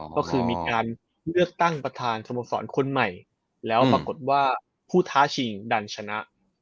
ก็คือมีการเลือกตั้งประธานสโมสรคนใหม่แล้วปรากฏว่าผู้ท้าชิงดันชนะ